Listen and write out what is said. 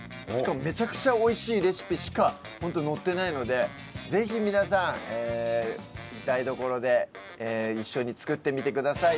めちゃくちゃおいしいレシピしか本当に載ってないのでぜひ皆さん台所で一緒に作ってみてください。